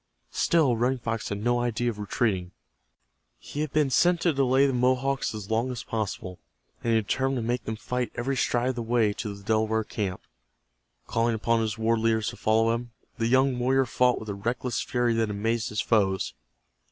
Still Running Fox had no idea of retreating. He had been sent to delay the Mohawks as long as possible, and he determined to make them fight every stride of the way to the Delaware camp. Calling upon his war leaders to follow him, the young warrior fought with a reckless fury that amazed his foes.